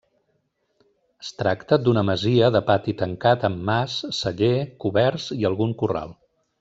Es tracta d'una masia de pati tancat amb mas, celler, coberts i algun corral.